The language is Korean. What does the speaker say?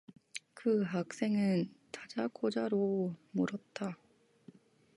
그 학생은 다짜고짜로 물었다.